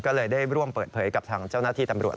ก็เลยได้ร่วมเปิดเผยกับทางเจ้าหน้าที่ตำรวจ